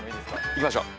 いきましょう。